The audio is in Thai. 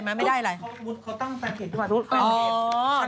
เขาตั้งแฟนเพจให้มาทุกแฟนเพจ